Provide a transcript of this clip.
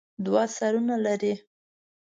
دوه سرونه لري.